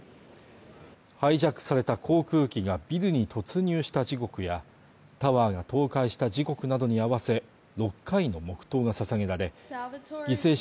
ハイジャックされた航空機がビルに突入した時刻やタワーが倒壊した時刻などに合わせ６回の黙とうがささげられ犠牲者